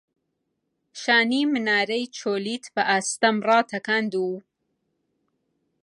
شانی منارەی چۆلیت بە ئاستەم ڕاتەکاند و